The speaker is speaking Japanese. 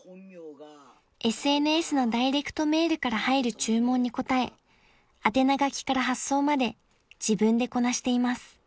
［ＳＮＳのダイレクトメールから入る注文に応え宛名書きから発送まで自分でこなしています］